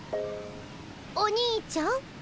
「お兄ちゃん」？